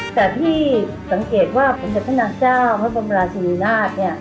แต่พี่สังเกตว่าพระเจ้าพระพราชินาทน์เนี่ย